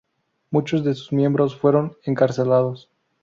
Muchos de sus miembros fueron encarcelados.